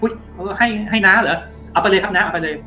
เออให้น้าเหรอเอาไปเลยครับน้าเอาไปเลย